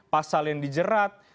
pasal yang dijerat